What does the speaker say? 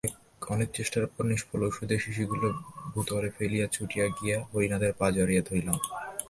অনেক চেষ্টার পর নিষ্ফল ঔষধের শিশিগুলা ভূতলে ফেলিয়া ছুটিয়া গিয়া হরিনাথের পা জড়াইয়া ধরিলাম।